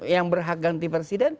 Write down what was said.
yang berhak ganti presiden